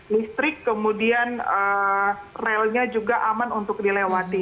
listrik kemudian relnya juga aman untuk dilewati